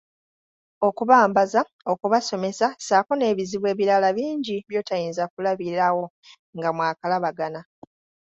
"Okubambaza, okubasomesa, ssaako n'ebizibu ebirala bingi by'otayinza kulabirawo nga mwakalabagana."